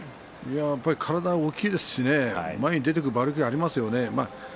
やっぱり体が大きいですし前に出ていく馬力がありますね